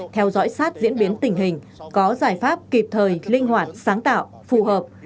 theo dõi sát diễn biến tình hình có giải pháp kịp thời linh hoạt sáng tạo phù hợp